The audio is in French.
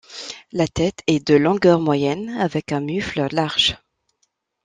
La tête est de longueur moyenne avec un mufle large.